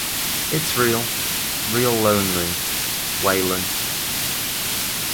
It's real, real lonely, Waylon.